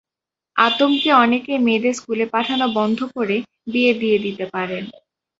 আতঙ্কে অনেকেই মেয়েদের স্কুলে পাঠানো বন্ধ করে বিয়ে দিয়ে দিতে পারেন।